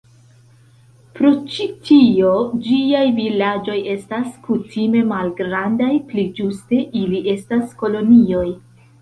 Pro ĉi tio, ĝiaj vilaĝoj estas kutime malgrandaj, pli ĝuste ili estas kolonioj.